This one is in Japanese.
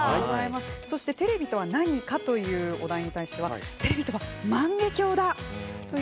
そして「テレビとは何か」というお題に対してはテレビとは、万華鏡だ。